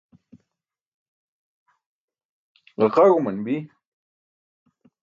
ġaqaẏauman bi